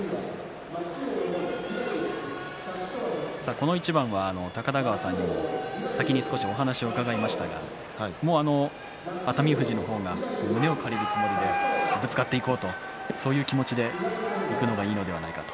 この一番は高田川さんにも先に少しお話を伺いましたがもう熱海富士の方が胸を借りるつもりでぶつかっていこうとそういう気持ちでいくのがいいのではないかと。